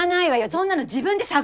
そんなの自分で探して。